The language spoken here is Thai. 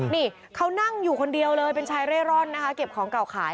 นี่เขานั่งอยู่คนเดียวเลยเป็นชายเร่ร่อนนะคะเก็บของเก่าขาย